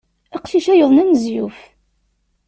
Aqcic-a yuḍen anezyuf.